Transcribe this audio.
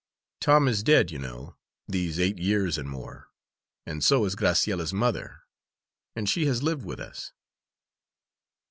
Tom is dead, you know, these eight years and more, and so is Graciella's mother, and she has lived with us."